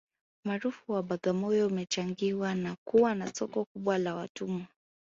umaarufu wa bagamoyo umechangiwa na kuwa na soko kubwa la watumwa